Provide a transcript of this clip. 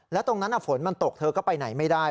แล้วตรงนั้นฝนมันตกเธอก็ไปไหนไม่ได้